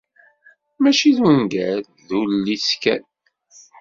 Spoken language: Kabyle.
Mačči d ungal, d ullis kan.